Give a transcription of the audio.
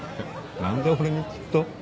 何で俺に聞くと？